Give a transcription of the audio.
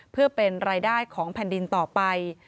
เพื่อเป็นรายได้ของแผ่นดินต่อไป